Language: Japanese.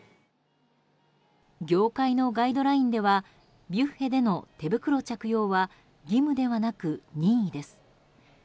業界のガイドラインではビュッフェでの手袋着用は義務ではなく任意です。